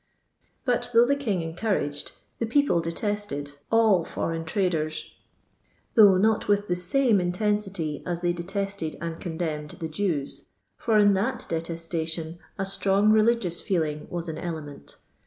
*" But though the King encouraged, the people detested, ail foreign traden, though not with the same intensity as they detested and contemned the Jews, for in thai detes tation a strong religious feeling was an cle ment.